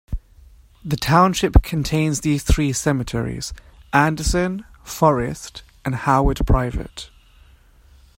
The township contains these three cemeteries: Anderson, Forest and Howard Private.